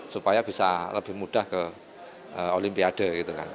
supaya bisa lebih mudah ke olimpiade gitu kan